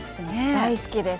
大好きです。